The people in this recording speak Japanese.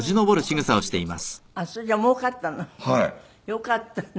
よかったね。